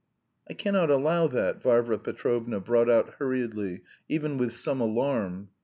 "I cannot allow that," Varvara Petrovna brought out hurriedly, even with some alarm.